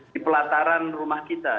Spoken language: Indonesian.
di pelataran rumah kita